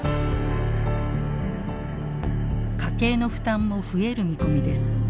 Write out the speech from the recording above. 家計の負担も増える見込みです。